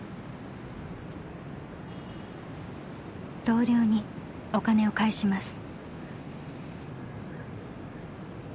同僚にお金を返します。